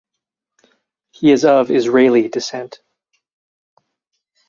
He is of Israeli descent.